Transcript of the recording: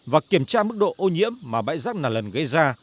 và kiểm tra mức độ ô nhiễm mà bãi rác nà lần gây ra